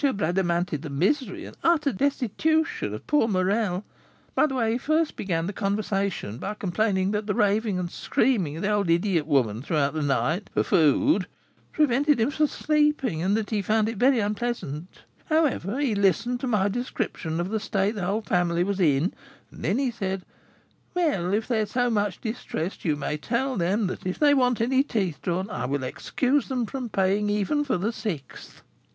Bradamanti the misery and utter destitution of poor Morel by the way, he first began the conversation by complaining that the raving and screaming of the old idiot woman throughout the night for food prevented him from sleeping, and that he found it very unpleasant; however, he listened to my description of the state the whole family was in, and then he said, 'Well, if they are so much distressed, you may tell them that if they want any teeth drawn, I will excuse them paying even for the sixth.'"